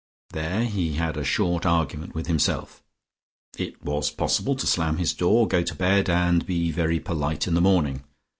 There he had a short argument with himself. It was possible to slam his door, go to bed, and be very polite in the morning.